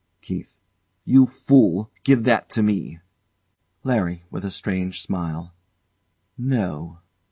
KErra. You fool! Give that to me. LARRY. [With a strange smite] No.